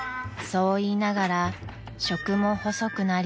［そう言いながら食も細くなり］